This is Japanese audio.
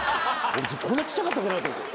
こんなちっちゃかったかなって。